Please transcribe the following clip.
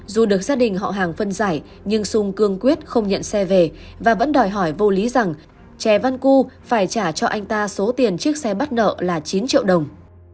dù được gia đình họ hàng phân giải nhưng sung cương quyết không nhận xe về và vẫn đòi hỏi vô lý rằng chè văn cu phải trả cho anh ta số tiền chiếc xe bắt nợ là chín triệu đồng